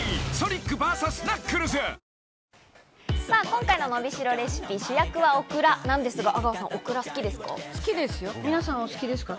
今回ののびしろレシピ、主役はオクラなんですが、阿川さん、オクラ好きですか？